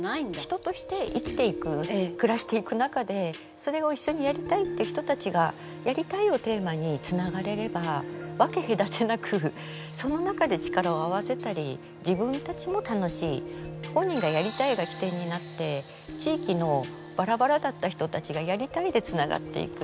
人として生きていく暮らしていく中でそれを一緒にやりたいっていう人たちがやりたいをテーマにつながれれば分け隔てなくその中で力を合わせたり自分たちも楽しい本人が「やりたい」が起点になって地域のばらばらだった人たちがやりたいでつながっていく。